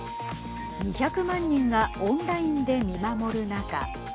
２００万人がオンラインで見守る中。